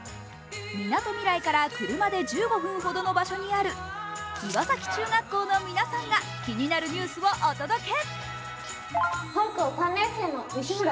みなとみらいから車で１５分ほどのところにある岩崎中学校の皆さんが気になるニュースをお届け。